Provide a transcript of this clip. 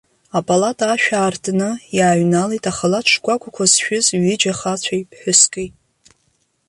Апалата ашә аартны иааҩналеит ахалаҭ шкәакәақәа зшәыз ҩыџьа ахацәеи ԥҳәыски.